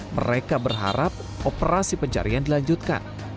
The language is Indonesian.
mereka berharap operasi pencarian dilanjutkan